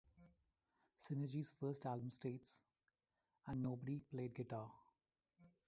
Synergy's first album states ..and nobody played guitar.